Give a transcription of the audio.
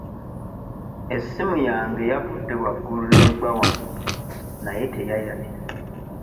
Essimu yange yavudde waggulu n'egwa wansi naye teyayatise.